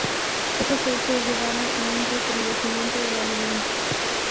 Estos hechos llevaron a un recrudecimiento de la violencia.